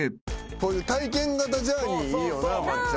こういう体験型ジャーニーいいよな松ちゃん。